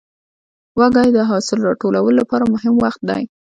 وږی د حاصل راټولو لپاره مهم وخت دی.